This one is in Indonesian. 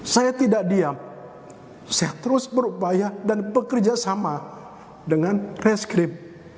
saya tidak diam saya terus berupaya dan bekerja sama dengan reskrip